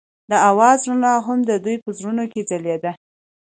د اواز رڼا هم د دوی په زړونو کې ځلېده.